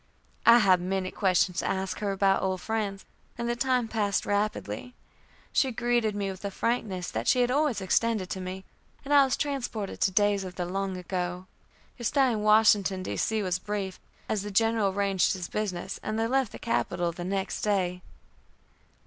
I had many questions to ask her about old friends, and the time passed rapidly. She greeted me with the frankness that she had always extended to me, and I was transported to days of the long ago. Her stay in Washington was brief, as the General arranged his business, and they left the capital the next day.